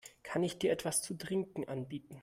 Kann ich dir etwas zu trinken anbieten?